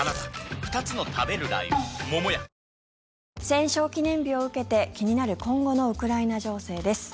戦勝記念日を受けて気になる今後のウクライナ情勢です。